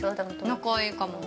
◆仲いいかも。